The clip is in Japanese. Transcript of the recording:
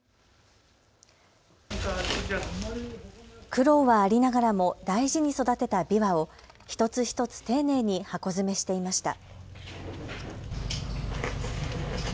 苦労はありながらも大事に育てたびわを一つ一つ丁寧に箱詰めしていました。